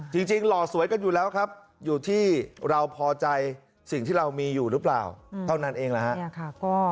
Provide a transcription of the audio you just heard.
จริงเหล่าสวยกันอยู่ที่เราพอใจสิ่งที่เรามีอยู่หรือเปล่า